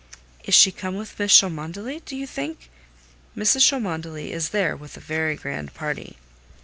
"Is she come with Mrs. Cholmondeley, do you think?" "Mrs. Cholmondeley is there with a very grand party.